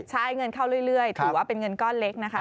ใช่เงินเข้าเรื่อยถือว่าเป็นเงินก้อนเล็กนะคะ